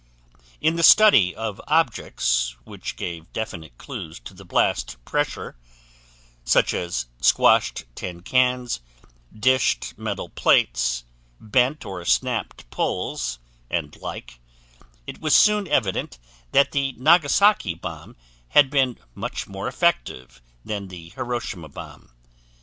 In the study of objects which gave definite clues to the blast pressure, such as squashed tin cans, dished metal plates, bent or snapped poles and like, it was soon evident that the Nagasaki bomb had been much more effective than the Hiroshima bomb.